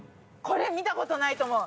これ見たことないと思う。